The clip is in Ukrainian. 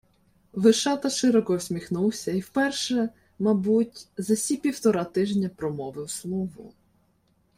Вишата широко всміхнувся й уперше, мабуть, за сі півтора тижня промовив слово: